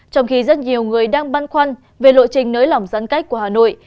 trong khi rất nhiều người đang băn khoăn về lộ trình nới lỏng giãn cách của hà nội